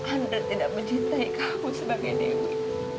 anda tidak mencintai kamu sebagai dewi